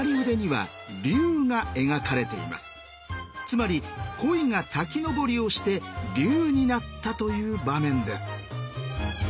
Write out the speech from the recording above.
つまりコイが滝登りをして龍になったという場面です。